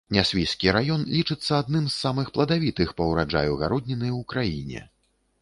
Нясвіжскі раён лічыцца адным з самых пладавітых па ўраджаю гародніны ў краіне.